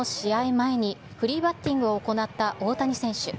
前に、フリーバッティングを行った大谷選手。